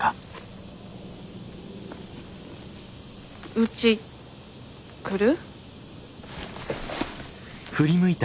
うち来る？